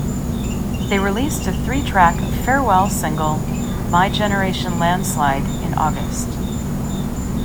They released a three-track 'farewell' single, "My Generation Landslide" in August.